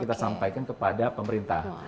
kita sampaikan kepada pemerintah